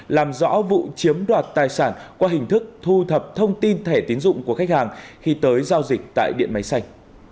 làm rõ vụ chiếm đoạt tài sản qua hình thức thu thập thông tin thẻ tiến dụng của khách hàng khi tới giao dịch tại điện máy xanh